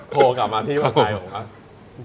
โทรกลับมาพี่บังไก่เลย